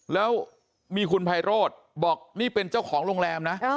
แล้วมีคุณไพโรธบอกนี่เป็นเจ้าของโรงแรมนะ